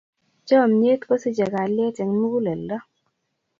Chomnyet kosichei kalyet eng muguleldo.